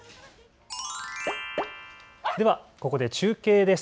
ではここで中継です。